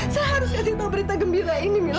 saya harus kasih tahu berita gembira ini mila